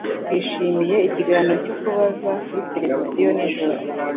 Twishimiye ikiganiro cyo kubaza kuri tereviziyo nijoro